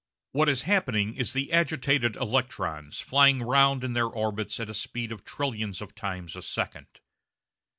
What is happening is the agitated electrons flying round in their orbits at a speed of trillions of times a second.